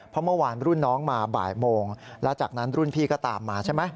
เพราะเมื่อวานรุ่นน้องมาบ่ายโมงแล้วจากนั้นรุ่นพี่ก็ตามมาใช่ไหม